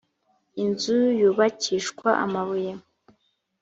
inzu yubakishwa amabuye.